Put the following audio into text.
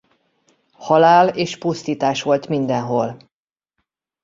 Halál és pusztítás volt mindenhol.